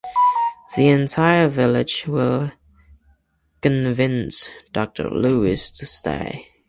The entire village will convince Doctor Lewis to stay.